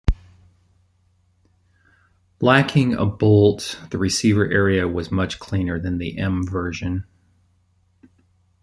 Lacking a bolt, the receiver area was much cleaner than the M version.